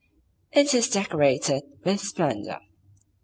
It is decorated with splendour.